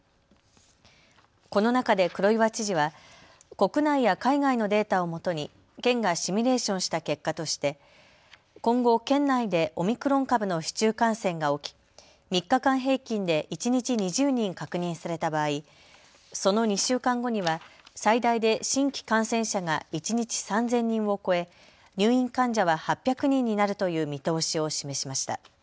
この中で黒岩知事は国内や海外のデータをもとに県がシミュレーションした結果として今後、県内でオミクロン株の市中感染が起き、３日間平均で一日２０人確認された場合、その２週間後には最大で新規感染者が一日３０００人を超え、入院患者は８００人になるという見通しを示しました。